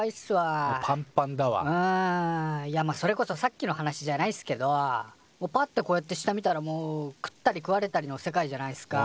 いやまあそれこそさっきの話じゃないっすけどもうパッてこうやって下見たらもう食ったり食われたりの世界じゃないっすか。